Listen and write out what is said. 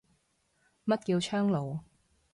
乜叫窗爐